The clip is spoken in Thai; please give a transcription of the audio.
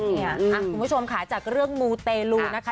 คุณผู้ชมค่ะจากเรื่องมูเตลูนะคะ